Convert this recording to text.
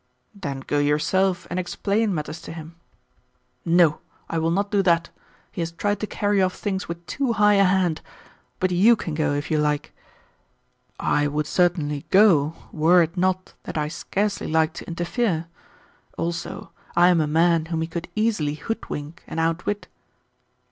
"Then go yourself and explain matters to him." "No, I will not do that; he has tried to carry off things with too high a hand. But YOU can go if you like." "I would certainly go were it not that I scarcely like to interfere. Also, I am a man whom he could easily hoodwink and outwit."